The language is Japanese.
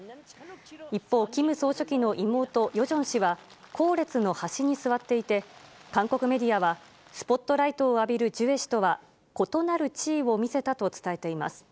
一方、キム総書記の妹、ヨジョン氏は、後列の端に座っていて、韓国メディアは、スポットライトを浴びるジュエ氏とは異なる地位を見せたと伝えています。